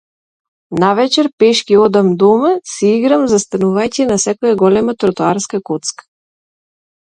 Навечер пешки одам дома, си играм застанувајќи на секоја голема тротоарска коцка.